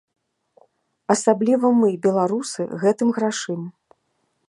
Асабліва мы, беларусы, гэтым грашым.